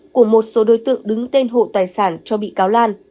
của một số đối tượng đứng tên hộ tài sản cho bị cáo lan